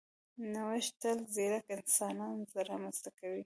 نوښت تل ځیرک انسانان رامنځته کوي.